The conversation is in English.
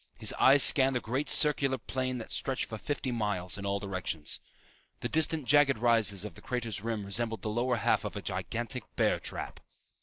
His eyes scanned the great circular plain that stretched for fifty miles in all directions. The distant jagged rises of the crater's rim resembled the lower half of a gigantic bear trap.